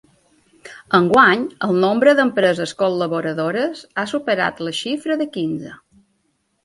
Enguany, el nombre d’empreses col·laboradores ha superat la xifra de quinze.